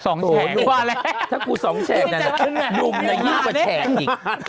สองแฉกถ้าคุณสองแฉกหนุ่มอย่างนี้มากกว่าแฉกอีก